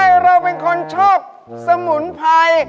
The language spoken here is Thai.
ไม่รู้ให้เราเป็นคนชอบสมุนไผ่